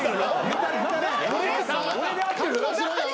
俺で合ってる？